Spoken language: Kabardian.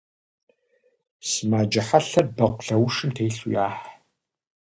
Сымаджэ хьэлъэр бэкъулаушым телъу яхь.